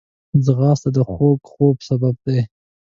ځغاسته د خوږ خوب سبب ده